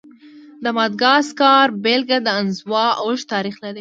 د ماداګاسکار بېلګه د انزوا اوږد تاریخ لري.